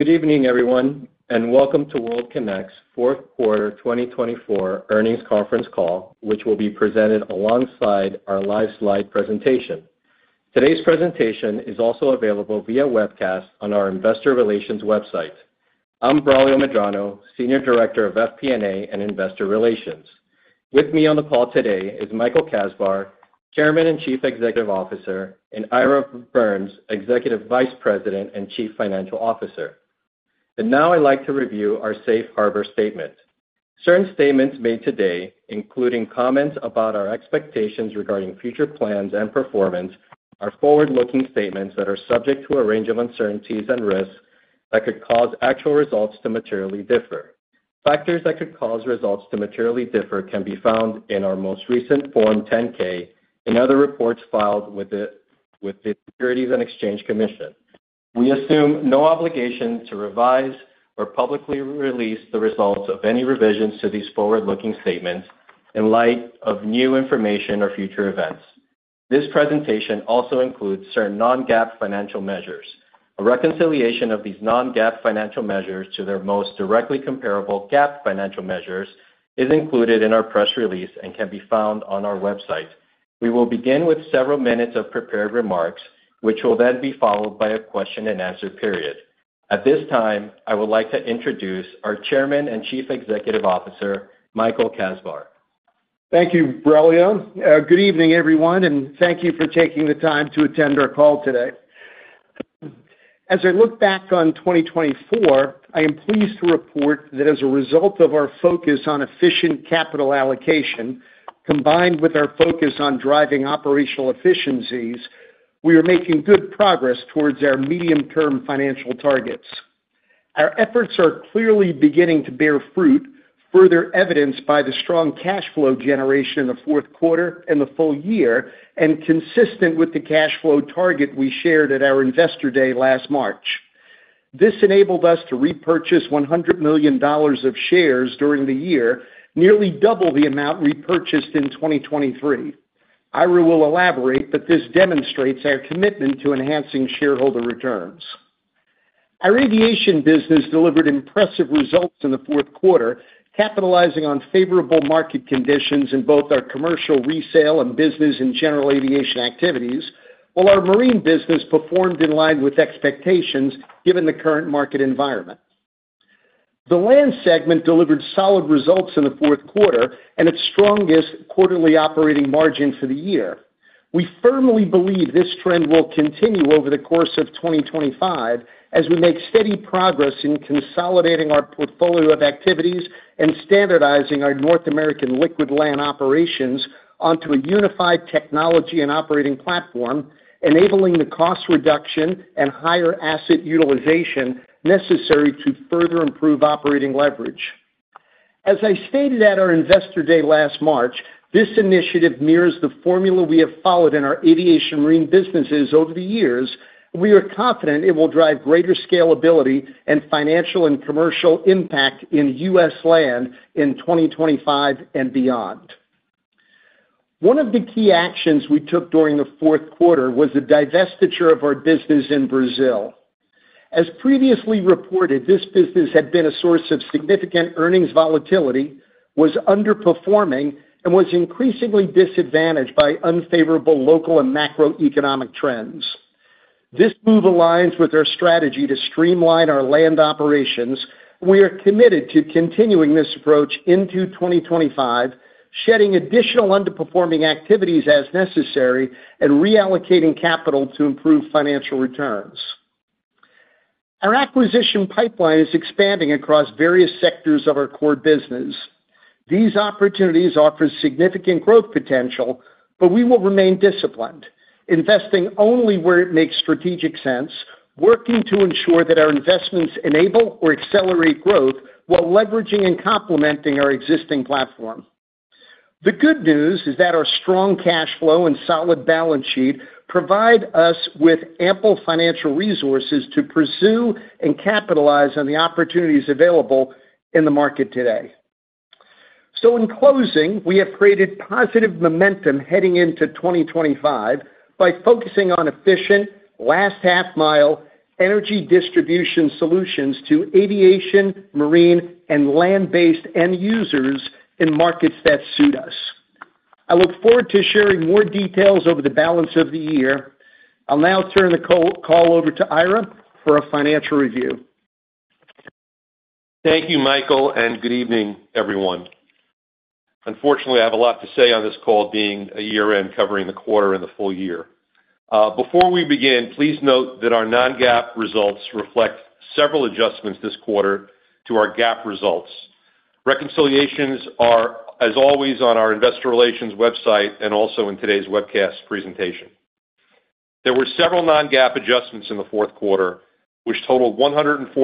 Good evening, everyone, and Welcome to World Kinect's Fourth Quarter 2024 earnings conference call, which will be presented alongside our live slide presentation. Today's presentation is also available via webcast on our investor relations website. I'm Braulio Medrano, Senior Director of FP&A and Investor Relations. With me on the call today is Michael Kasbar, Chairman and Chief Executive Officer, and Ira Birns, Executive Vice President and Chief Financial Officer. Now I'd like to review our safe harbor statement. Certain statements made today, including comments about our expectations regarding future plans and performance, are forward-looking statements that are subject to a range of uncertainties and risks that could cause actual results to materially differ. Factors that could cause results to materially differ can be found in our most recent Form 10-K and other reports filed with the Securities and Exchange Commission. We assume no obligation to revise or publicly release the results of any revisions to these forward-looking statements in light of new information or future events. This presentation also includes certain non-GAAP financial measures. A reconciliation of these non-GAAP financial measures to their most directly comparable GAAP financial measures is included in our press release and can be found on our website. We will begin with several minutes of prepared remarks, which will then be followed by a question-and-answer period. At this time, I would like to introduce our Chairman and Chief Executive Officer, Michael Kasbar. Thank you, Braulio. Good evening, everyone, and thank you for taking the time to attend our call today. As I look back on 2024, I am pleased to report that as a result of our focus on efficient capital allocation, combined with our focus on driving operational efficiencies, we are making good progress towards our medium-term financial targets. Our efforts are clearly beginning to bear fruit, further evidenced by the strong cash flow generation in the fourth quarter and the full year, and consistent with the cash flow target we shared at our Investor Day last March. This enabled us to repurchase $100 million of shares during the year, nearly double the amount repurchased in 2023. Ira will elaborate, but this demonstrates our commitment to enhancing shareholder returns. Our aviation business delivered impressive results in the fourth quarter, capitalizing on favorable market conditions in both our commercial resale and business and general aviation activities, while our marine business performed in line with expectations given the current market environment. The land segment delivered solid results in the fourth quarter and its strongest quarterly operating margin for the year. We firmly believe this trend will continue over the course of 2025 as we make steady progress in consolidating our portfolio of activities and standardizing our North American liquid land operations onto a unified technology and operating platform, enabling the cost reduction and higher asset utilization necessary to further improve operating leverage. As I stated at our Investor Day last March, this initiative mirrors the formula we have followed in our aviation marine businesses over the years, and we are confident it will drive greater scalability and financial and commercial impact in U.S. land in 2025 and beyond. One of the key actions we took during the fourth quarter was the divestiture of our business in Brazil. As previously reported, this business had been a source of significant earnings volatility, was underperforming, and was increasingly disadvantaged by unfavorable local and macroeconomic trends. This move aligns with our strategy to streamline our land operations, and we are committed to continuing this approach into 2025, shedding additional underperforming activities as necessary and reallocating capital to improve financial returns. Our acquisition pipeline is expanding across various sectors of our core business. These opportunities offer significant growth potential, but we will remain disciplined, investing only where it makes strategic sense, working to ensure that our investments enable or accelerate growth while leveraging and complementing our existing platform. The good news is that our strong cash flow and solid balance sheet provide us with ample financial resources to pursue and capitalize on the opportunities available in the market today. So, in closing, we have created positive momentum heading into 2025 by focusing on efficient last-half-mile energy distribution solutions to aviation, marine, and land-based end users in markets that suit us. I look forward to sharing more details over the balance of the year. I'll now turn the call over to Ira for a financial review. Thank you, Michael, and good evening, everyone. Unfortunately, I have a lot to say on this call, being a year-end covering the quarter and the full year. Before we begin, please note that our non-GAAP results reflect several adjustments this quarter to our GAAP results. Reconciliations are, as always, on our investor relations website and also in today's webcast presentation. There were several non-GAAP adjustments in the fourth quarter, which totaled $143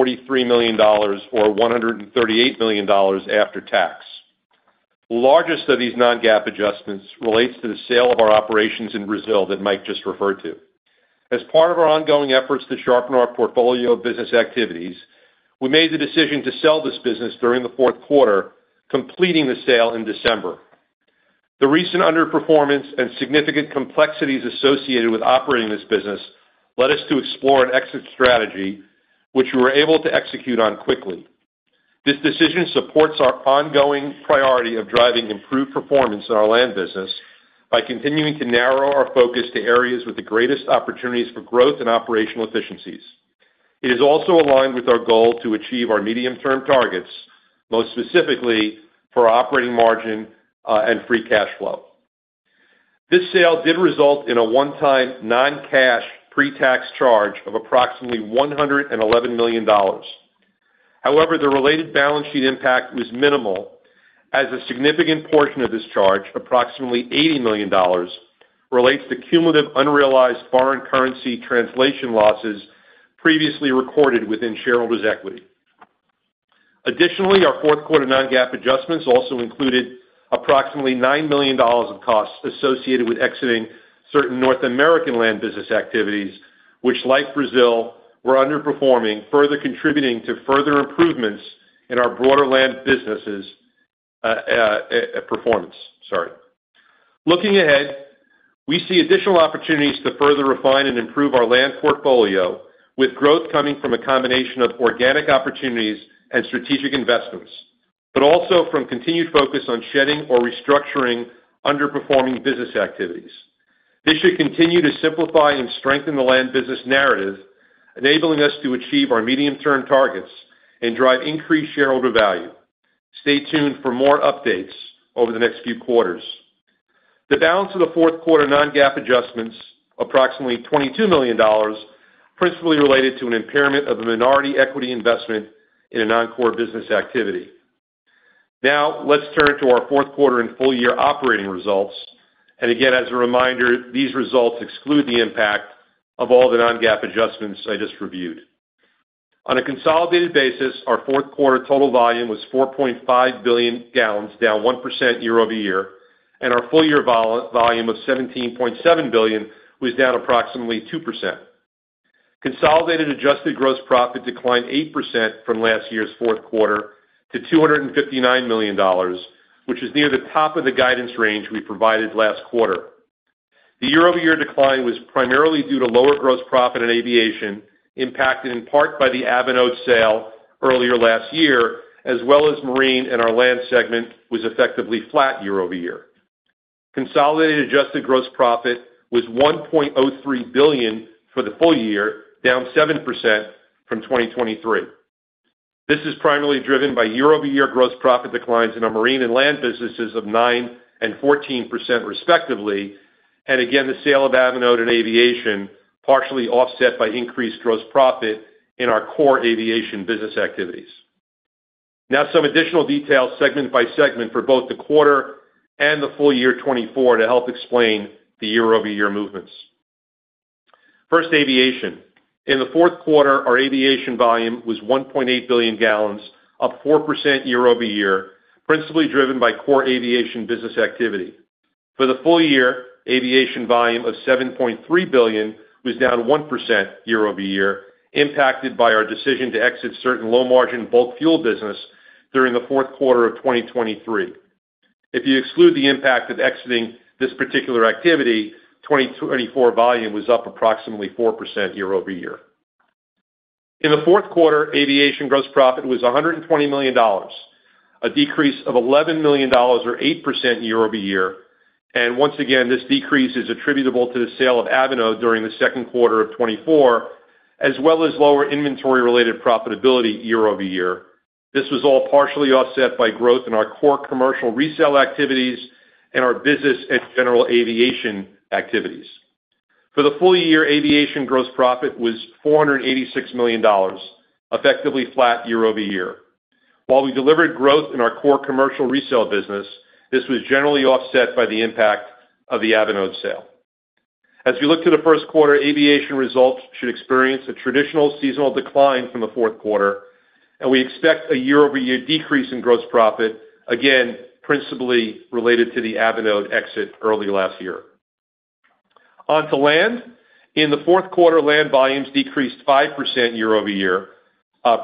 million or $138 million after tax. The largest of these non-GAAP adjustments relates to the sale of our operations in Brazil that Mike just referred to. As part of our ongoing efforts to sharpen our portfolio of business activities, we made the decision to sell this business during the fourth quarter, completing the sale in December. The recent underperformance and significant complexities associated with operating this business led us to explore an exit strategy, which we were able to execute on quickly. This decision supports our ongoing priority of driving improved performance in our land business by continuing to narrow our focus to areas with the greatest opportunities for growth and operational efficiencies. It is also aligned with our goal to achieve our medium-term targets, most specifically for operating margin and free cash flow. This sale did result in a one-time non-cash pre-tax charge of approximately $111 million. However, the related balance sheet impact was minimal, as a significant portion of this charge, approximately $80 million, relates to cumulative unrealized foreign currency translation losses previously recorded within shareholders' equity. Additionally, our fourth quarter Non-GAAP adjustments also included approximately $9 million of costs associated with exiting certain North American land business activities, which, like Brazil, were underperforming, further contributing to further improvements in our broader land businesses' performance. Looking ahead, we see additional opportunities to further refine and improve our land portfolio, with growth coming from a combination of organic opportunities and strategic investments, but also from continued focus on shedding or restructuring underperforming business activities. This should continue to simplify and strengthen the land business narrative, enabling us to achieve our medium-term targets and drive increased shareholder value. Stay tuned for more updates over the next few quarters. The balance of the fourth quarter Non-GAAP adjustments, approximately $22 million, principally related to an impairment of a minority equity investment in a non-core business activity. Now, let's turn to our fourth quarter and full year operating results. And again, as a reminder, these results exclude the impact of all the non-GAAP adjustments I just reviewed. On a consolidated basis, our fourth quarter total volume was 4.5 billion gallons, down 1% year-over-year, and our full year volume of 17.7 billion was down approximately 2%. Consolidated adjusted gross profit declined 8% from last year's fourth quarter to $259 million, which is near the top of the guidance range we provided last quarter. The year-over-year decline was primarily due to lower gross profit in aviation, impacted in part by the Avinote sale earlier last year, as well as marine, and our land segment was effectively flat year-over-year. Consolidated adjusted gross profit was $1.03 billion for the full year, down 7% from 2023. This is primarily driven by year-over-year gross profit declines in our marine and land businesses of 9% and 14%, respectively, and again, the sale of Avinode and aviation, partially offset by increased gross profit in our core aviation business activities. Now, some additional detail, segment by segment, for both the quarter and the full year 2024 to help explain the year-over-year movements. First, aviation. In the fourth quarter, our aviation volume was 1.8 billion gallons, up 4% year-over-year, principally driven by core aviation business activity. For the full year, aviation volume of 7.3 billion was down 1% year-over-year, impacted by our decision to exit certain low-margin bulk fuel business during the fourth quarter of 2023. If you exclude the impact of exiting this particular activity, 2024 volume was up approximately 4% year-over-year. In the fourth quarter, aviation gross profit was $120 million, a decrease of $11 million, or 8% year-over-year. And once again, this decrease is attributable to the sale of Avinode during the second quarter of 2024, as well as lower inventory-related profitability year-over-year. This was all partially offset by growth in our core commercial resale activities and our business and general aviation activities. For the full year, aviation gross profit was $486 million, effectively flat year-over-year. While we delivered growth in our core commercial resale business, this was generally offset by the impact of the Avinode sale. As we look to the first quarter, aviation results should experience a traditional seasonal decline from the fourth quarter, and we expect a year-over-year decrease in gross profit, again, principally related to the Avinode exit early last year. On to land. In the fourth quarter, land volumes decreased 5% year-over-year,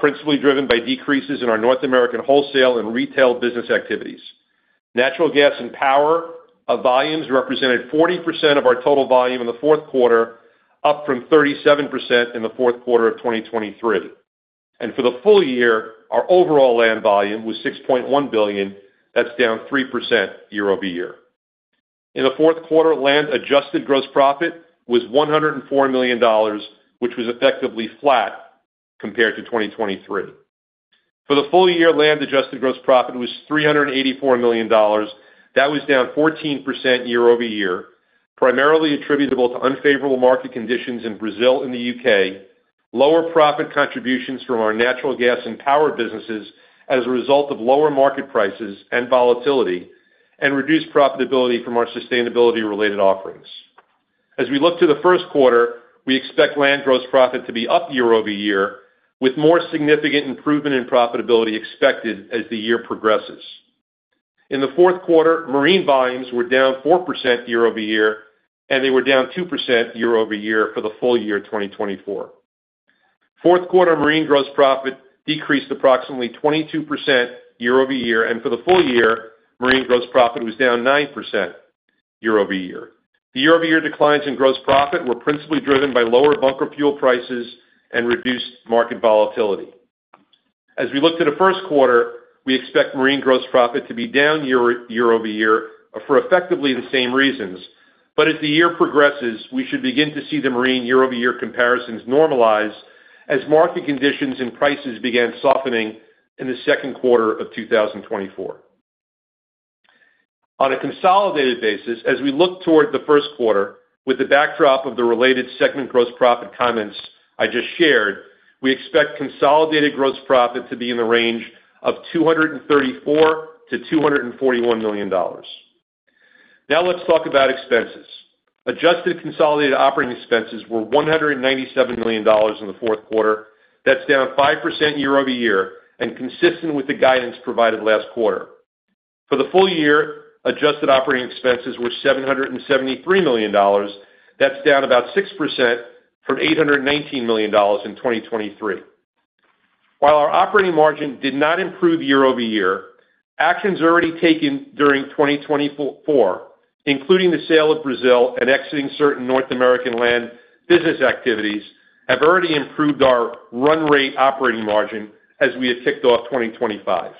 principally driven by decreases in our North American wholesale and retail business activities. Natural gas and power volumes represented 40% of our total volume in the fourth quarter, up from 37% in the fourth quarter of 2023, and for the full year, our overall land volume was 6.1 billion. That's down 3% year-over-year. In the fourth quarter, land adjusted gross profit was $104 million, which was effectively flat compared to 2023. For the full year, land adjusted gross profit was $384 million. That was down 14% year-over-year, primarily attributable to unfavorable market conditions in Brazil and the U.K., lower profit contributions from our natural gas and power businesses as a result of lower market prices and volatility, and reduced profitability from our sustainability-related offerings. As we look to the first quarter, we expect land gross profit to be up year-over-year, with more significant improvement in profitability expected as the year progresses. In the fourth quarter, marine volumes were down 4% year-over-year, and they were down 2% year-over-year for the full year 2024. Fourth quarter marine gross profit decreased approximately 22% year-over-year, and for the full year, marine gross profit was down 9% year-over-year. The year-over-year declines in gross profit were principally driven by lower bunker fuel prices and reduced market volatility. As we look to the first quarter, we expect marine gross profit to be down year-over-year for effectively the same reasons, but as the year progresses, we should begin to see the marine year-over-year comparisons normalize as market conditions and prices began softening in the second quarter of 2024. On a consolidated basis, as we look toward the first quarter, with the backdrop of the related segment gross profit comments I just shared, we expect consolidated gross profit to be in the range of $234 million-$241 million. Now, let's talk about expenses. Adjusted consolidated operating expenses were $197 million in the fourth quarter. That's down 5% year-over-year and consistent with the guidance provided last quarter. For the full year, adjusted operating expenses were $773 million. That's down about 6% from $819 million in 2023. While our operating margin did not improve year-over-year, actions already taken during 2024, including the sale of Brazil and exiting certain North American land business activities, have already improved our run rate operating margin as we have ticked off 2025.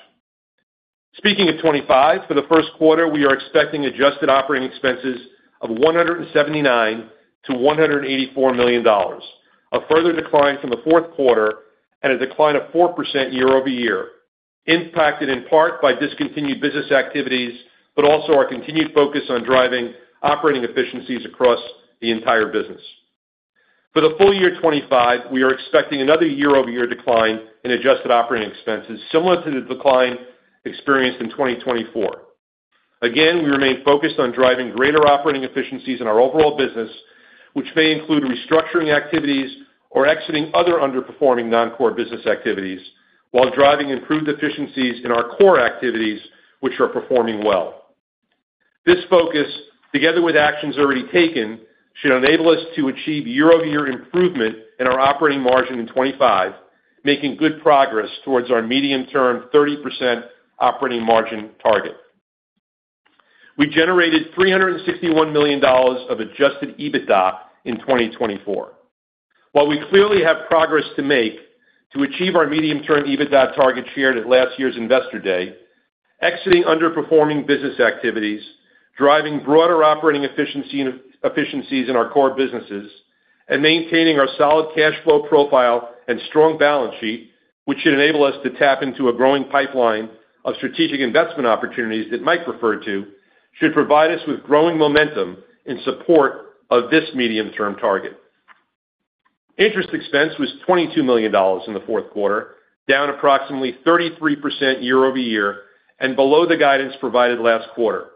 Speaking of 2025, for the first quarter, we are expecting adjusted operating expenses of $179 million-$184 million, a further decline from the fourth quarter and a decline of 4% year-over-year, impacted in part by discontinued business activities, but also our continued focus on driving operating efficiencies across the entire business. For the full year 2025, we are expecting another year-over-year decline in adjusted operating expenses, similar to the decline experienced in 2024. Again, we remain focused on driving greater operating efficiencies in our overall business, which may include restructuring activities or exiting other underperforming non-core business activities, while driving improved efficiencies in our core activities, which are performing well. This focus, together with actions already taken, should enable us to achieve year-over-year improvement in our operating margin in 2025, making good progress towards our medium-term 30% operating margin target. We generated $361 million of adjusted EBITDA in 2024. While we clearly have progress to make to achieve our medium-term EBITDA target shared at last year's investor day, exiting underperforming business activities, driving broader operating efficiencies in our core businesses, and maintaining our solid cash flow profile and strong balance sheet, which should enable us to tap into a growing pipeline of strategic investment opportunities that Mike referred to, should provide us with growing momentum in support of this medium-term target. Interest expense was $22 million in the fourth quarter, down approximately 33% year-over-year and below the guidance provided last quarter.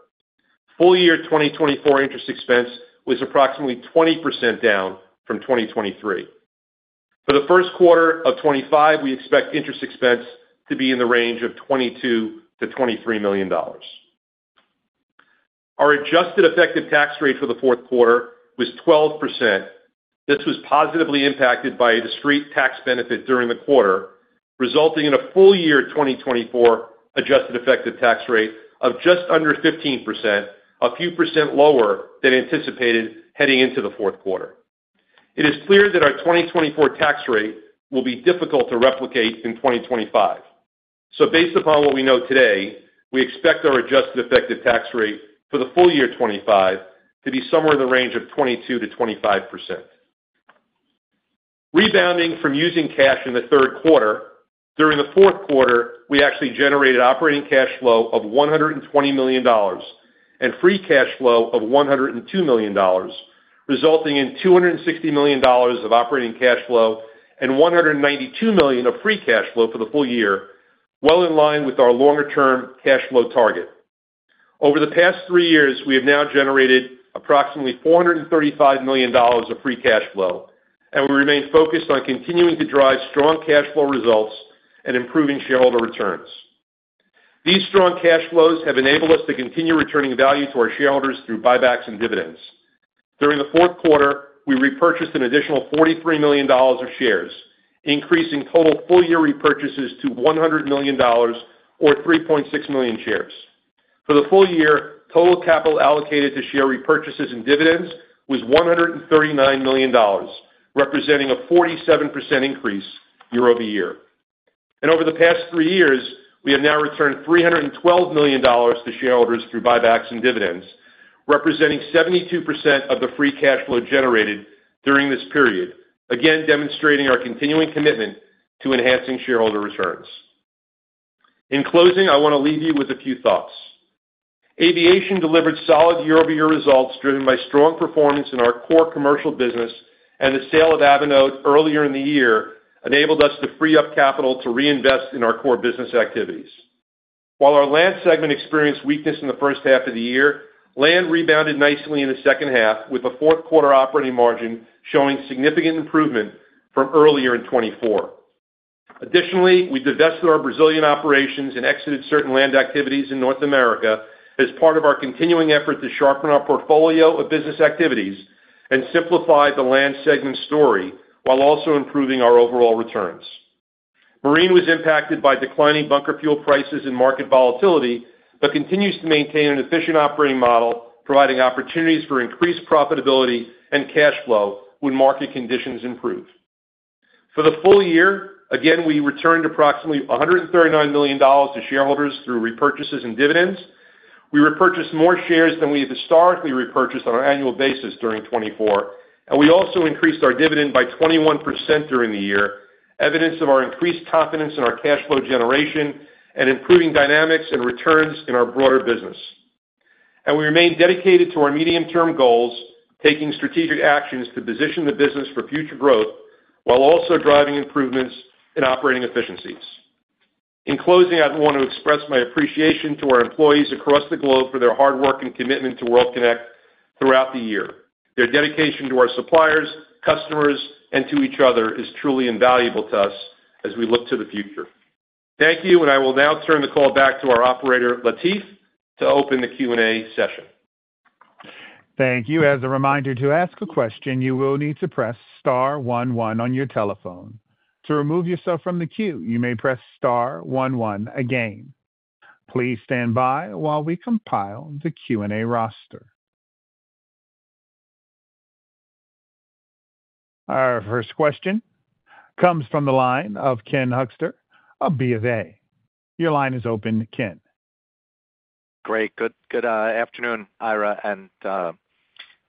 Full year 2024 interest expense was approximately 20% down from 2023. For the first quarter of 2025, we expect interest expense to be in the range of $22 million-$23 million. Our adjusted effective tax rate for the fourth quarter was 12%. This was positively impacted by a discrete tax benefit during the quarter, resulting in a full year 2024 adjusted effective tax rate of just under 15%, a few percent lower than anticipated heading into the fourth quarter. It is clear that our 2024 tax rate will be difficult to replicate in 2025. So, based upon what we know today, we expect our adjusted effective tax rate for the full year 2025 to be somewhere in the range of 22%-25%. Rebounding from using cash in the third quarter, during the fourth quarter, we actually generated operating cash flow of $120 million and free cash flow of $102 million, resulting in $260 million of operating cash flow and $192 million of free cash flow for the full year, well in line with our longer-term cash flow target. Over the past three years, we have now generated approximately $435 million of free cash flow, and we remain focused on continuing to drive strong cash flow results and improving shareholder returns. These strong cash flows have enabled us to continue returning value to our shareholders through buybacks and dividends. During the fourth quarter, we repurchased an additional $43 million of shares, increasing total full year repurchases to $100 million, or 3.6 million shares. For the full year, total capital allocated to share repurchases and dividends was $139 million, representing a 47% increase year-over-year. And over the past three years, we have now returned $312 million to shareholders through buybacks and dividends, representing 72% of the free cash flow generated during this period, again demonstrating our continuing commitment to enhancing shareholder returns. In closing, I want to leave you with a few thoughts. Aviation delivered solid year-over-year results driven by strong performance in our core commercial business, and the sale of Avinode earlier in the year enabled us to free up capital to reinvest in our core business activities. While our land segment experienced weakness in the first half of the year, land rebounded nicely in the second half, with the fourth quarter operating margin showing significant improvement from earlier in 2024. Additionally, we divested our Brazilian operations and exited certain land activities in North America as part of our continuing effort to sharpen our portfolio of business activities and simplify the land segment story, while also improving our overall returns. Marine was impacted by declining bunker fuel prices and market volatility, but continues to maintain an efficient operating model, providing opportunities for increased profitability and cash flow when market conditions improve. For the full year, again, we returned approximately $139 million to shareholders through repurchases and dividends. We repurchased more shares than we historically repurchased on an annual basis during 2024, and we also increased our dividend by 21% during the year, evidence of our increased confidence in our cash flow generation and improving dynamics and returns in our broader business. And we remain dedicated to our medium-term goals, taking strategic actions to position the business for future growth, while also driving improvements in operating efficiencies. In closing, I want to express my appreciation to our employees across the globe for their hard work and commitment to World Kinect throughout the year. Their dedication to our suppliers, customers, and to each other is truly invaluable to us as we look to the future. Thank you, and I will now turn the call back to our operator, Latif, to open the Q&A session. Thank you. As a reminder to ask a question, you will need to press star one one on your telephone. To remove yourself from the queue, you may press star one one again. Please stand by while we compile the Q&A roster. Our first question comes from the line of Ken Hoexter, a BofA. Your line is open, Ken. Great. Good afternoon, Ira and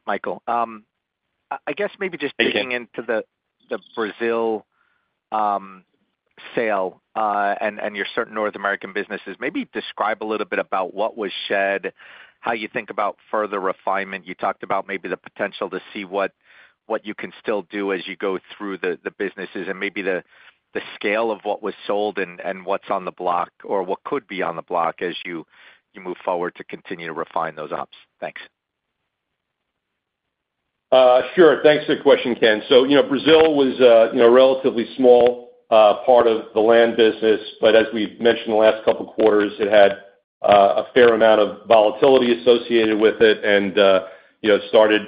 Michael. I guess maybe just digging into the Brazil sale and your certain North American businesses, maybe describe a little bit about what was shed, how you think about further refinement. You talked about maybe the potential to see what you can still do as you go through the businesses and maybe the scale of what was sold and what's on the block or what could be on the block as you move forward to continue to refine those ops. Thanks. Sure. Thanks for the question, Ken. So Brazil was a relatively small part of the land business, but as we mentioned in the last couple of quarters, it had a fair amount of volatility associated with it and started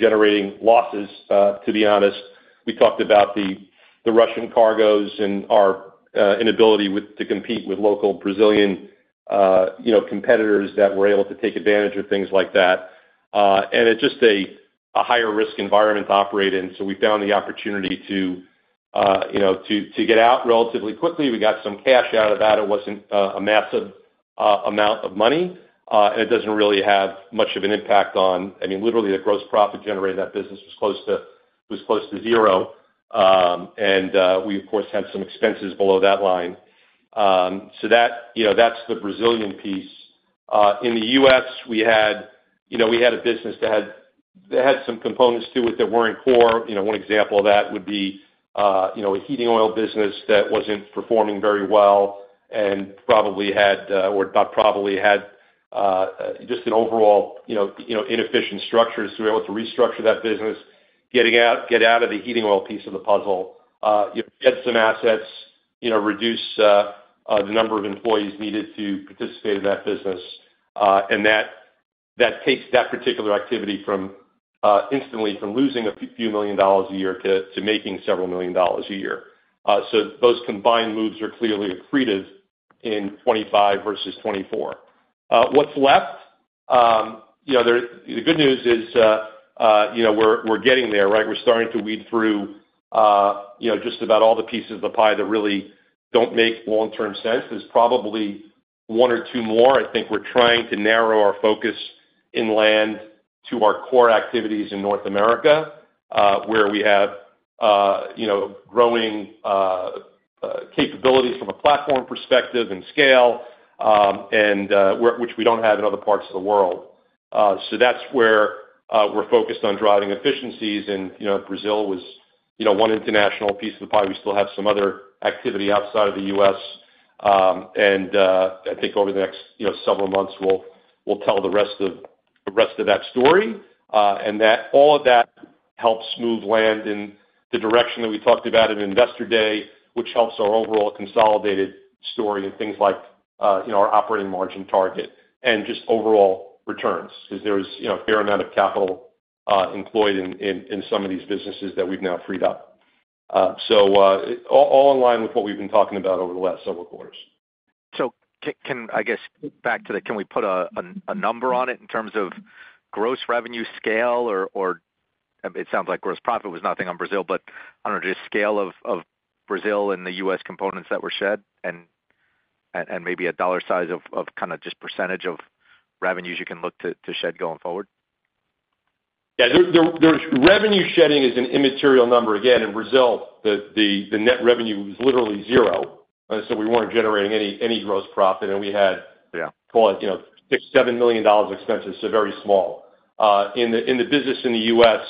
generating losses, to be honest. We talked about the Russian cargoes and our inability to compete with local Brazilian competitors that were able to take advantage of things like that. And it's just a higher-risk environment to operate in. So we found the opportunity to get out relatively quickly. We got some cash out of that. It wasn't a massive amount of money, and it doesn't really have much of an impact on, I mean, literally, the gross profit generated in that business was close to zero, and we, of course, had some expenses below that line, so that's the Brazilian piece. In the U.S., we had a business that had some components to it that weren't core. One example of that would be a heating oil business that wasn't performing very well and probably had, or not probably had, just an overall inefficient structure, so we were able to restructure that business, get out of the heating oil piece of the puzzle, get some assets, reduce the number of employees needed to participate in that business, and that takes that particular activity instantly from losing a few million dollars a year to making several million dollars a year. So those combined moves are clearly accretive in 2025 versus 2024. What's left? The good news is we're getting there, right? We're starting to weed through just about all the pieces of the pie that really don't make long-term sense. There's probably one or two more. I think we're trying to narrow our focus in land to our core activities in North America, where we have growing capabilities from a platform perspective and scale, which we don't have in other parts of the world. So that's where we're focused on driving efficiencies. And Brazil was one international piece of the pie. We still have some other activity outside of the U.S. And I think over the next several months, we'll tell the rest of that story. And all of that helps move land in the direction that we talked about at Investor Day, which helps our overall consolidated story and things like our operating margin target and just overall returns because there is a fair amount of capital employed in some of these businesses that we've now freed up. So all in line with what we've been talking about over the last several quarters. So I guess back to that, can we put a number on it in terms of gross revenue scale? It sounds like gross profit was nothing on Brazil, but on a scale of Brazil and the U.S. components that were shed and maybe a dollar size of kind of just percentage of revenues you can look to shed going forward? Yeah. Revenue shedding is an immaterial number. Again, in Brazil, the net revenue was literally zero. So we weren't generating any gross profit. And we had, call it, $6 million-$7 million of expenses, so very small. In the business in the U.S.,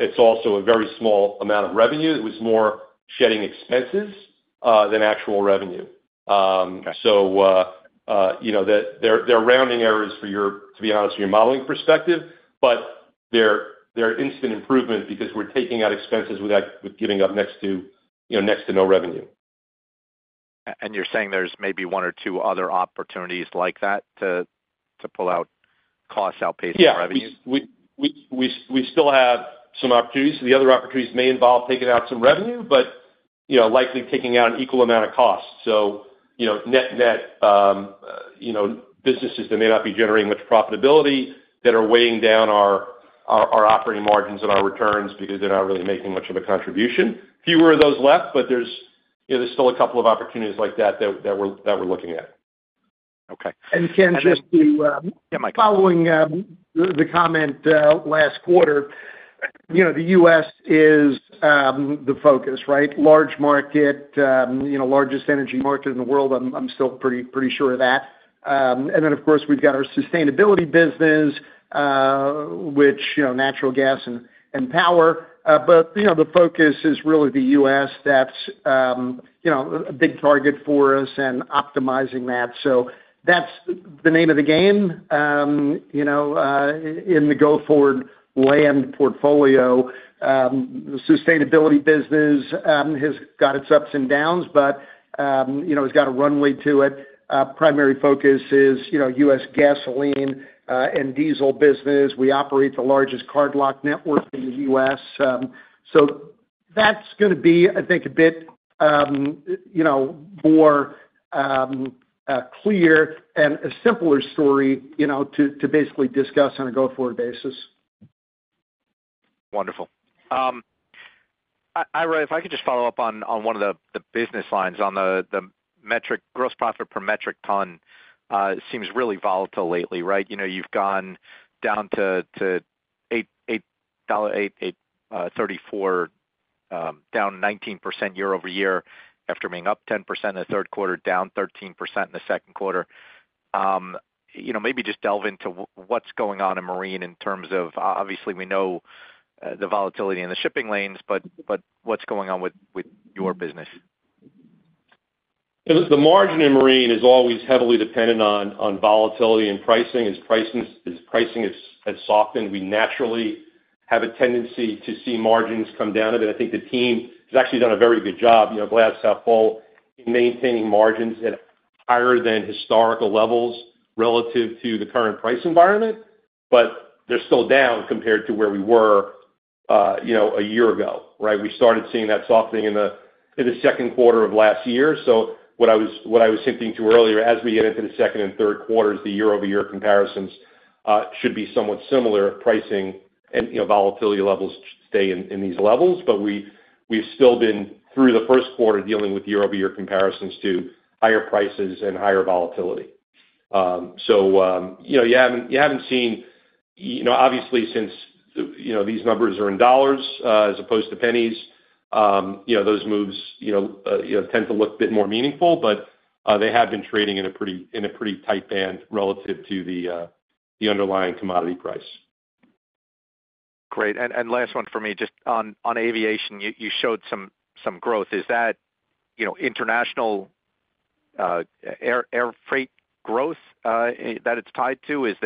it's also a very small amount of revenue. It was more shedding expenses than actual revenue. So there are rounding errors for your, to be honest, your modeling perspective, but they're instant improvement because we're taking out expenses with giving up next to no revenue. And you're saying there's maybe one or two other opportunities like that to pull out costs outpacing revenue? Yes. We still have some opportunities. The other opportunities may involve taking out some revenue, but likely taking out an equal amount of cost. So net-net businesses that may not be generating much profitability that are weighing down our operating margins and our returns because they're not really making much of a contribution. Fewer of those left, but there's still a couple of opportunities like that that we're looking at. Okay, and Ken, just following the comment last quarter, the U.S. is the focus, right? Large market, largest energy market in the world. I'm still pretty sure of that, and then, of course, we've got our sustainability business, which is natural gas and power, but the focus is really the U.S. that's a big target for us and optimizing that, so that's the name of the game in the go-forward land portfolio. The sustainability business has got its ups and downs, but it's got a runway to it. Primary focus is U.S. gasoline and diesel business. We operate the largest cardlock network in the U.S. So that's going to be, I think, a bit more clear and a simpler story to basically discuss on a go-forward basis. Wonderful. Ira, if I could just follow up on one of the business lines on the gross profit per metric ton seems really volatile lately, right? You've gone down to $8.34, down 19% year-over-year after being up 10% in the third quarter, down 13% in the second quarter. Maybe just delve into what's going on in marine in terms of, obviously, we know the volatility in the shipping lanes, but what's going on with your business? The margin in marine is always heavily dependent on volatility and pricing. As pricing has softened, we naturally have a tendency to see margins come down. And I think the team has actually done a very good job. Global supply is maintaining margins at higher than historical levels relative to the current price environment, but they're still down compared to where we were a year ago, right? We started seeing that softening in the second quarter of last year. So what I was hinting to earlier, as we get into the second and third quarters, the year-over-year comparisons should be somewhat similar if pricing and volatility levels stay in these levels. But we've still been through the first quarter dealing with year-over-year comparisons to higher prices and higher volatility. So you haven't seen, obviously, since these numbers are in dollars as opposed to pennies, those moves tend to look a bit more meaningful, but they have been trading in a pretty tight band relative to the underlying commodity price. Great. And last one for me, just on aviation, you showed some growth. Is that international air freight growth that it's tied to? Is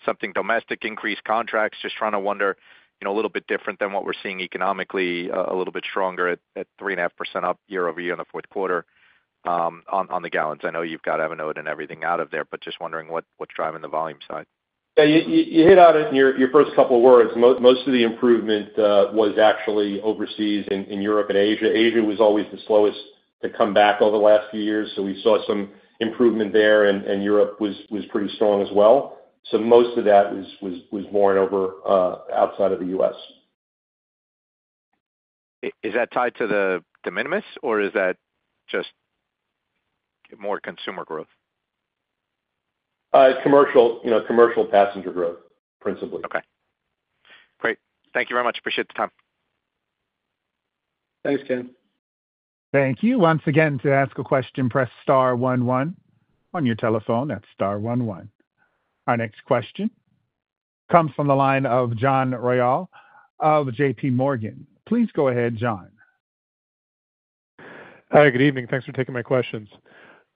there something domestic increase contracts? Just trying to wonder, a little bit different than what we're seeing economically, a little bit stronger at 3.5% up year-over-year in the fourth quarter on the gallons. I know you've got Avinote and everything out of there, but just wondering what's driving the volume side. Yeah. You hit on it in your first couple of words. Most of the improvement was actually overseas in Europe and Asia. Asia was always the slowest to come back over the last few years. So we saw some improvement there, and Europe was pretty strong as well. So most of that was borne out outside of the U.S. Is that tied to the minus, or is that just more consumer growth? Commercial passenger growth, principally. Okay. Great. Thank you very much. Appreciate the time. Thanks, Ken. Thank you. Once again, to ask a question, press star one one on your telephone. That's star one one. Our next question comes from the line of John Royall of JPMorgan. Please go ahead, John. Hi. Good evening. Thanks for taking my questions.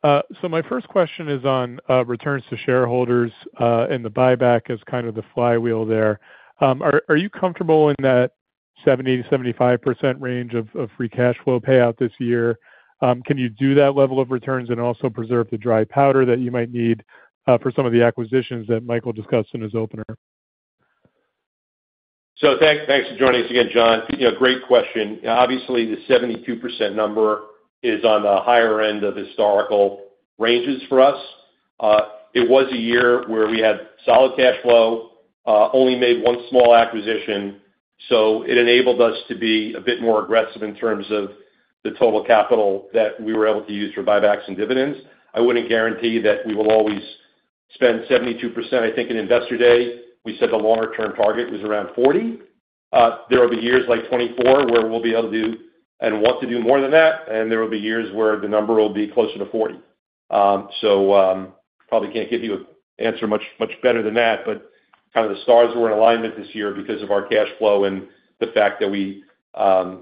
So my first question is on returns to shareholders and the buyback as kind of the flywheel there. Are you comfortable in that 70%-75% range of free cash flow payout this year? Can you do that level of returns and also preserve the dry powder that you might need for some of the acquisitions that Michael discussed in his opener? So thanks for joining us again, John. Great question. Obviously, the 72% number is on the higher end of historical ranges for us. It was a year where we had solid cash flow, only made one small acquisition. So it enabled us to be a bit more aggressive in terms of the total capital that we were able to use for buybacks and dividends. I wouldn't guarantee that we will always spend 72%. I think in Investor Day, we said the longer-term target was around 40%. There will be years like 2024 where we'll be able to do and want to do more than that. And there will be years where the number will be closer to 40%. So probably can't give you an answer much better than that, but kind of the stars were in alignment this year because of our cash flow and the fact that we saw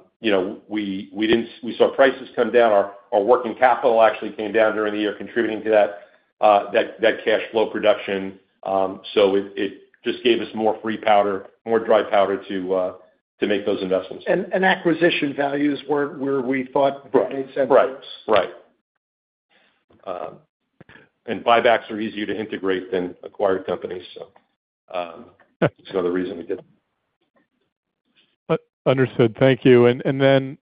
prices come down. Our working capital actually came down during the year, contributing to that cash flow production. So it just gave us more dry powder, more dry powder to make those investments. And acquisition values were where we thought made sense for us. Right. Right. And buybacks are easier to integrate than acquired companies, so it's another reason we did it. Understood. Thank you. And then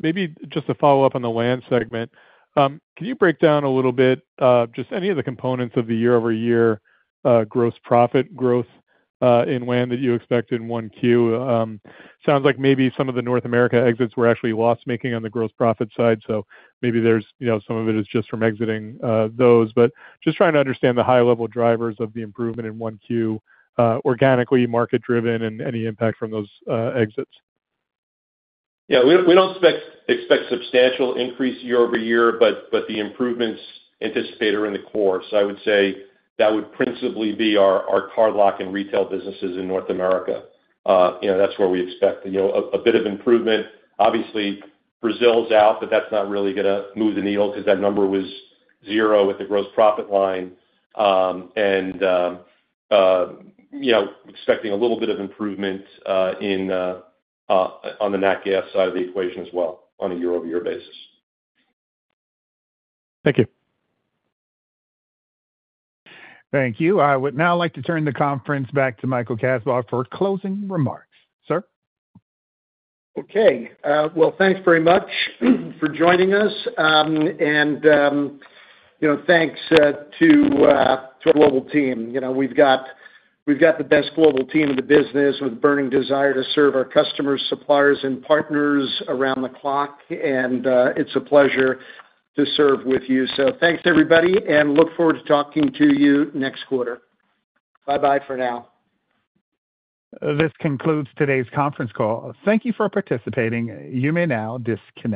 maybe just to follow up on the land segment, can you break down a little bit just any of the components of the year-over-year gross profit growth in land that you expected in 1Q? Sounds like maybe some of the North America exits were actually loss-making on the gross profit side. So maybe some of it is just from exiting those. But just trying to understand the high-level drivers of the improvement in 1Q, organically, market-driven, and any impact from those exits. Yeah. We don't expect substantial increase year-over-year, but the improvements anticipated are in the core. So I would say that would principally be our cardlock and retail businesses in North America. That's where we expect a bit of improvement. Obviously, Brazil's out, but that's not really going to move the needle because that number was zero with the gross profit line. And expecting a little bit of improvement on the natural gas side of the equation as well on a year-over-year basis. Thank you. Thank you. I would now like to turn the conference back to Michael Kasbar for closing remarks. Sir? Okay. Well, thanks very much for joining us. And thanks to our global team. We've got the best global team in the business with a burning desire to serve our customers, suppliers, and partners around the clock. And it's a pleasure to serve with you. So thanks, everybody, and look forward to talking to you next quarter. Bye-bye for now. This concludes today's conference call. Thank you for participating. You may now disconnect.